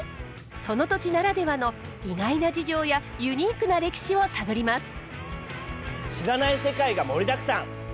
その土地ならではの意外な事情やユニークな歴史を探ります。